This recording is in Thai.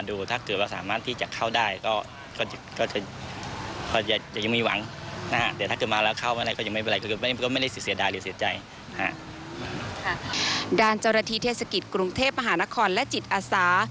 ดาร์เจ้ารฐีเทศกิจกรุงเทพฐานครและจิตอสาร